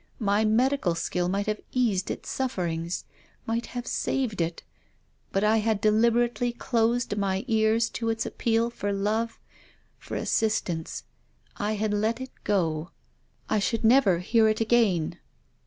My medical skill might have eased its sufferings. Might have saved it. But I had deliberately closed my ears to its appeal for love, for assistance. I had let it go. I should never hear it again."